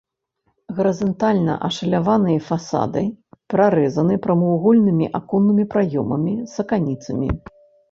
Гарызантальна ашаляваныя фасады прарэзаны прамавугольнымі аконнымі праёмамі з аканіцамі.